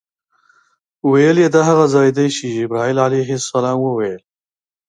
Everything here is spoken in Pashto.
ویل یې دا هغه ځای دی چې جبرائیل علیه السلام وویل.